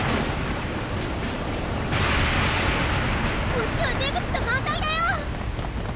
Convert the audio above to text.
こっちは出口と反対だよ！